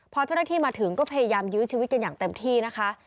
พอเจ้าหน้าที่มาถึงก็พยายามยื้อชีวิตกันอย่างเต็มที่นะคะ